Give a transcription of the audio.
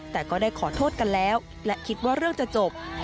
แต่ก็ได้ขอโทษกันแล้วและคิดว่าเรื่องจะจบ